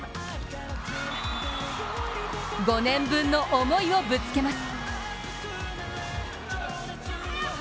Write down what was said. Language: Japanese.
５年分の思いをぶつけます。